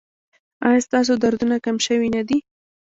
ایا ستاسو دردونه کم شوي نه دي؟